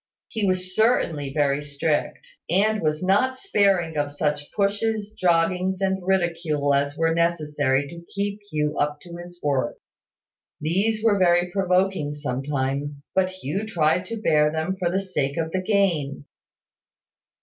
He was certainly very strict, and was not sparing of such pushes, joggings, and ridicule as were necessary to keep Hugh up to his work. These were very provoking sometimes; but Hugh tried to bear them for the sake of the gain.